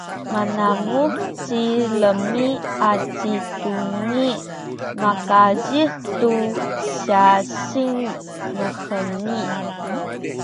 manamuh ci Imi aci Dungi makazih tu syasing nuheni.